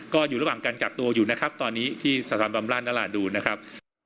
ก็อยู่ระหว่างการกักตัวอยู่นะครับตอนนี้ที่สถานบำราชนราดูนนะครับ